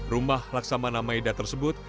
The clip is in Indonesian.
rumah laksamana maeda tersebut